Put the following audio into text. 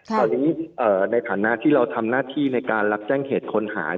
ตอนนี้ในฐานะที่เราทำหน้าที่ในการรับแจ้งเหตุคนหาย